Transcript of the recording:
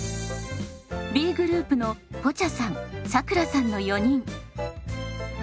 Ｂグループのぽちゃさんさくらさんの４人。